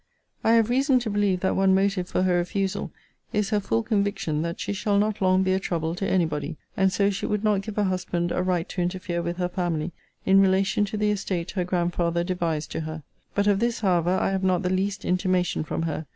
I have reason to believe that one motive for her refusal is her full conviction that she shall not long be a trouble to any body; and so she would not give a husband a right to interfere with her family, in relation to the estate her grandfather devised to her. But of this, however, I have not the least intimation from her.